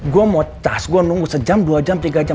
gue mau tas gue nunggu sejam dua jam tiga jam